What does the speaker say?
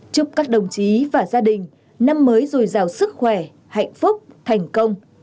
chúc các đồng chí và gia đình năm mới dồi dào sức khỏe hạnh phúc thành công